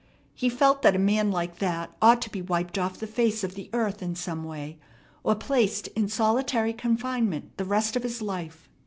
He felt that a man like that ought to be wiped off the face of the earth in some way, or placed in solitary confinement the rest of his life.